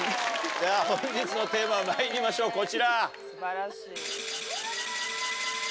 じゃあ本日のテーマまいりましょうこちら。